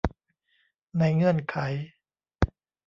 ในเงื่อนไข